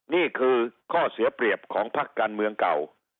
นี่คือข้อเสียเปรียบของพักการเมืองเก่า